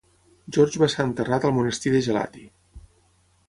George va ser enterrat al Monestir de Gelati.